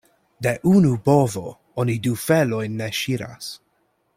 De unu bovo oni du felojn ne ŝiras.